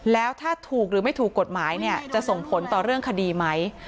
แล้วถ้าถูกหรือไม่ถูกกฎหมายเนี่ยจะส่งผลต่อเรื่องคดีไหม